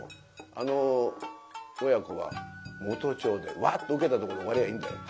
あの親子は「元帳でわっと受けたところで終わりゃあいいんだよ」。